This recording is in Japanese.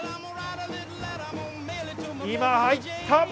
今、入った！